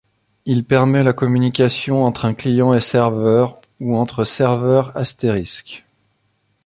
Il permet la communication entre un client et serveur ou entre serveurs asterisk.